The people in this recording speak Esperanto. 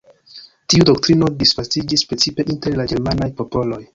Tiu doktrino disvastiĝis precipe inter la ĝermanaj popoloj.